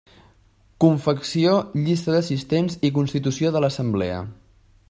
Confecció llista d'assistents i constitució de l'assemblea.